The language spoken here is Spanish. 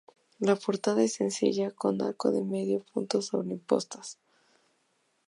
La portada es sencilla, con arco de medio punto sobre impostas.